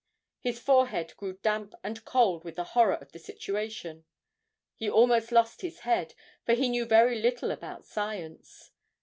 His forehead grew damp and cold with the horror of the situation he almost lost his head, for he knew very little about science.